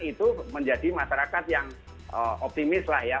itu menjadi masyarakat yang optimis lah ya